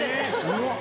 うわっ！